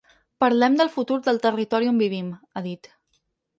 “Parlem del futur del territori on vivim”, ha dit.